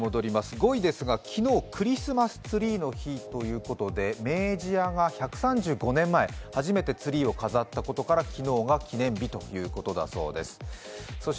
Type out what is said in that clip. ５位ですが、クリスマスツリーの日ということで、明治屋が１３５年前初めてツリーを飾ったことから昨日が記念日ということだそうです。